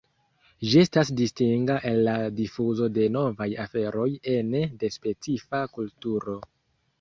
Ĝi estas distinga el la difuzo de novaj aferoj ene de specifa kulturo.